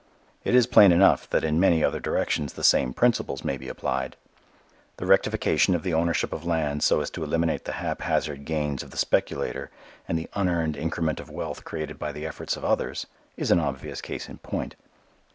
It is plain enough that in many other directions the same principles may be applied. The rectification of the ownership of land so as to eliminate the haphazard gains of the speculator and the unearned increment of wealth created by the efforts of others, is an obvious case in point.